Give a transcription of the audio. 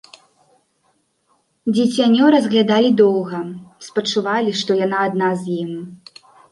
Дзіцянё разглядалі доўга, спачувалі, што яна адна з ім.